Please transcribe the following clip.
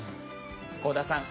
幸田さん